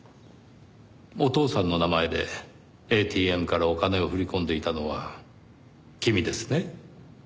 お父さんの名前でＡＴＭからお金を振り込んでいたのは君ですね？